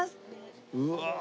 うわ！